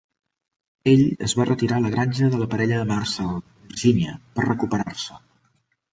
Ell es va retirar a la granja de la parella a Marsall, Virgínia, per recuperar-se.